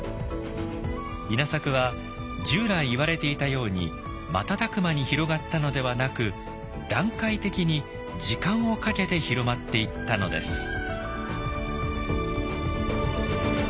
稲作は従来言われていたように瞬く間に広がったのではなく段階的に時間をかけて広まっていったのです。